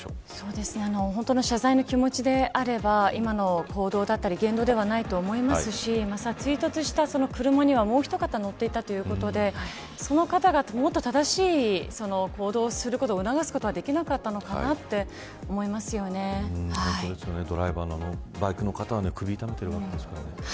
本当の謝罪の気持ちであれば今の行動だったり言動ではないと思いますし追突した車にはもうひと方が乗っていだということでその方がもっと正しい行動をすることを促すことはできなかったのかなとバイクの方は首を痛めているわけですからね。